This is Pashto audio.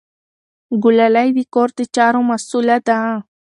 ګلالۍ د کور د چارو مسؤله ده.